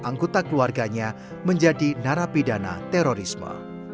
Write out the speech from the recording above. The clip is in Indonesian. anggota keluarganya menjadi narapidana terorisme